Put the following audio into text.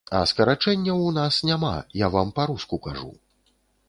А скарачэнняў у нас няма, я вам па-руску кажу.